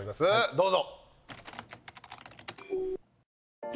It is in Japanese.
どうぞ。